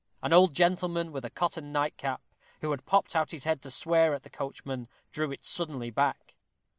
An old gentleman with a cotton nightcap, who had popped out his head to swear at the coachman, drew it suddenly back.